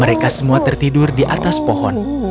mereka semua tertidur di atas pohon